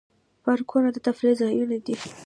پارکونه د تفریح ځایونه دي